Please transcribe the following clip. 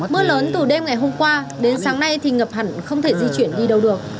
mưa lớn từ đêm ngày hôm qua đến sáng nay thì ngập hẳn không thể di chuyển đi đâu được